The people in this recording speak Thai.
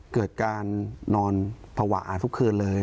เกิดการนอนภาวะทุกคืนเลย